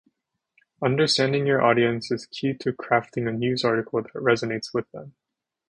Understanding your audience is key to crafting a news article that resonates with them.